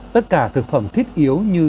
tất cả thực phẩm thiết yếu như